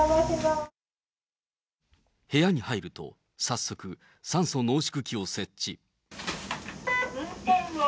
部屋に入ると早速、酸素濃縮器を設置。